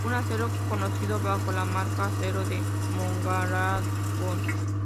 Un acero conocido bajo la marca Acero de Mondragón.